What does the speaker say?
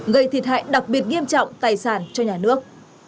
gây thiệt hại đặc biệt nghiêm trọng tài sản cho nhà nước